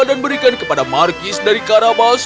dan berikan kepada markis dari karabas